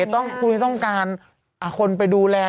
ไหนต้องคุยต้องการคนไปดูแล